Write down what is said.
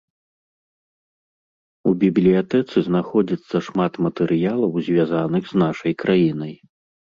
У бібліятэцы знаходзіцца шмат матэрыялаў, звязаных з нашай краінай.